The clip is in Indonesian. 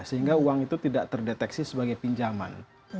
sehingga uang itu tidak terdeteksi sebagai pinjaman